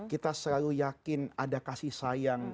kita selalu yakin ada kasih sayang